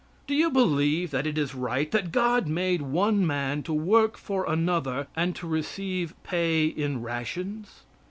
Do you believe that it is right that God made one man to work for another and to receive pay in rations?